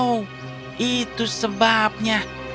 oh itu sebabnya